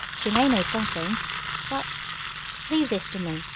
She may know something...." "But " "Leave this to me.